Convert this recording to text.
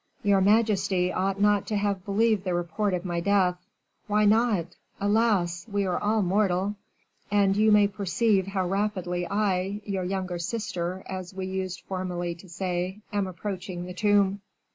"Your majesty ought not to have believed the report of my death." "Why not? Alas! we are all mortal; and you may perceive how rapidly I, your younger sister, as we used formerly to say, am approaching the tomb."